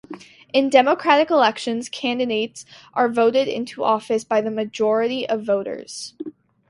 In democratic elections, candidates are voted into office by the majority of voters.